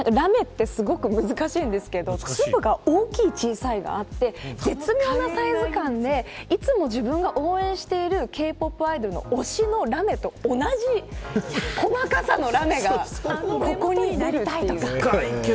やっぱりラメってすごく難しいんですけど粒が大きい、小さいがあって絶妙なサイズ感でいつも自分が応援しているＫ‐ＰＯＰアイドルの推しのラメと同じ細かさのラメがあるんでここにあるという。